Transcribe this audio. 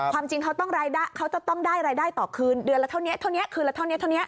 ความจริงเขาต้องรายได้เขาจะต้องได้รายได้ต่อคืนเดือนละเท่านี้เท่านี้คืนละเท่านี้เท่านี้